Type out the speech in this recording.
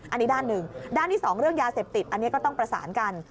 อันนี้ด้านหนึ่งด้านที่สองเรื่องยาเสพติดอันนี้ก็ต้องประสานกัน